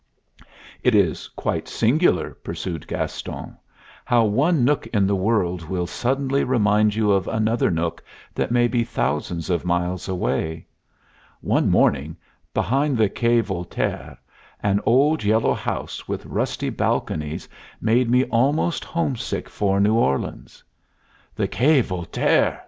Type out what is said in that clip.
"It is quite singular," pursued Gaston, "how one nook in the world will suddenly remind you of another nook that may be thousands of miles away. One morning, behind the Quai Voltaire, an old, yellow house with rusty balconies made me almost homesick for New Orleans." "The Quai Voltaire!"